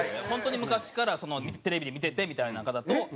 本当に昔からテレビで見ててみたいな方と。